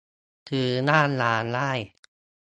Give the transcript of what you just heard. ซื้อหน้าร้านได้